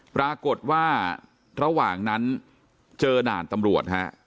ปรากฏว่าระหว่างนั้นเจอด่านตำรวจฮะ